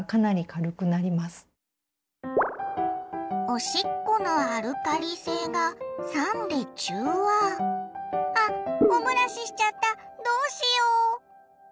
おしっこのアルカリせいがさんでちゅうわ⁉あおもらししちゃったどうしよう？